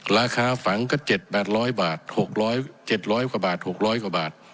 ราคาฝังก็เจ็ดแบดร้อยบาทหกร้อยเจ็ดร้อยกว่าบาทหกร้อยกว่าบาท